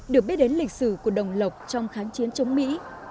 được biết đến lịch sử của đồng lộc trong kháng chiến chống mỹ